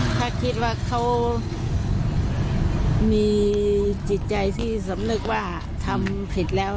ถ้าคิดว่าเขามีจิตใจที่สำนึกว่าทำผิดแล้ว